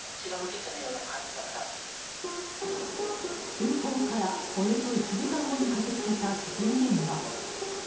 通報から、およそ１時間後に駆け付けた事件現場。